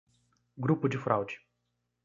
Grupo de fraude